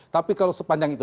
tapi kalau sepanjang itu